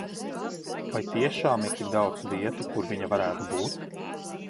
Vai tiešām ir tik daudz vietu, kur viņa varētu būt?